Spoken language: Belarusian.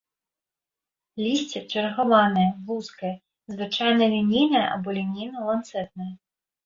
Лісце чаргаванае, вузкае, звычайна лінейнае або лінейна-ланцэтнае.